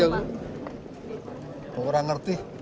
aku kurang ngerti